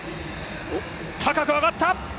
高く上がった！